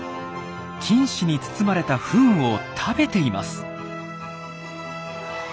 菌糸に包まれたフンを食べています。